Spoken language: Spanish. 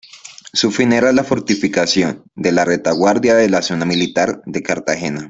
Su fin era la fortificación de la retaguardia de la zona militar de Cartagena.